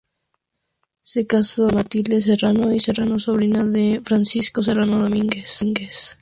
Se casó con Matilde Serrano y Serrano, sobrina de Francisco Serrano Domínguez.